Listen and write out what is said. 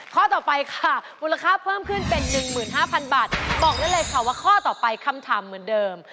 ข้อต่อไปค่ะมูลค่าเพิ่มขึ้นเป็น๑๕๐๐๐บาทบอกได้เลยค่ะว่าข้อต่อไปคำถามเหมือนเดิม